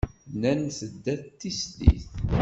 Nnan-d tedda d tislit.